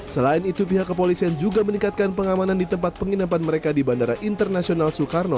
selain itu pihak kepolisian juga meningkatkan pengamanan di tempat penginapan mereka di bandara internasional soekarno